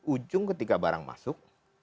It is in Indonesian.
ujung ketika barang masuk